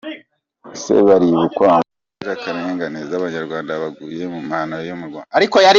– Ese baribukwa munzirakarengane z’abanyarwanda baguye mu mahano yo mu Rwanda ?